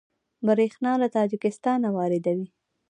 بریښنا له تاجکستان واردوي